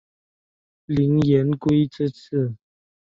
林廷圭之子。